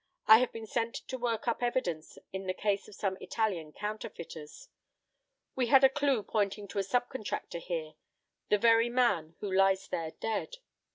I have been sent to work up evidence in the case of some Italian counterfeiters. We had a clew pointing to a sub contractor here the very man who lies there dead.